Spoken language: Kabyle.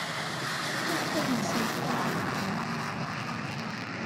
Maɣef ur nsint ara deg uxxam?